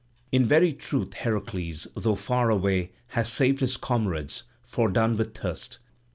In very truth Heracles, though far away, has saved his comrades, fordone with thirst.